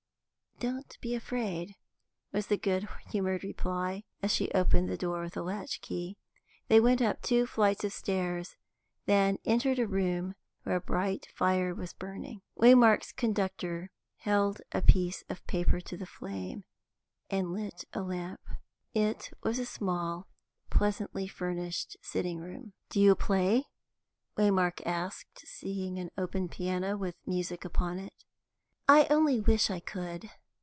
"Don't be afraid," was the good humoured reply, as she opened the door with a latch key. They went up two flights of stairs, then entered a room where a bright fire was burning. Waymark's conductor held a piece of paper to the flame, and lit a lamp. It was a small, pleasantly furnished sitting room. "Do you play?" Waymark asked, seeing an open piano, with music upon it. "I only wish I could.